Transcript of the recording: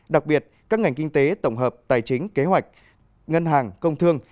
đặc biệt các ngành kinh tế tổng hợp tài chính kế hoạch ngân hàng công thương